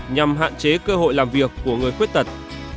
nhằm hạn chế cơ hội làm việc của người khuyết tật